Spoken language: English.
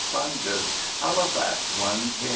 sponges; Halifax, 1 cs.